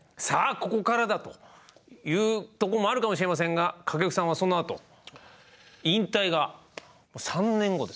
ここからだというとこもあるかもしれませんが掛布さんはそのあと引退が３年後です。